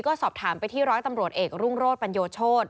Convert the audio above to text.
ก็สอบถามไปที่ร้อยตำรวจเอกรุ่งโรธปัญโยโชธ